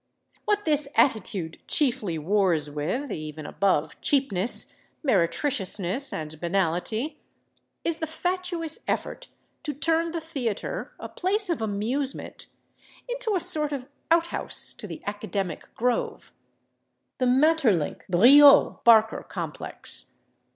What this attitude chiefly wars with, even above cheapness, meretriciousness and banality, is the fatuous effort to turn the theater, a place of amusement, into a sort of outhouse to the academic grove—the Maeterlinck Brieux Barker complex.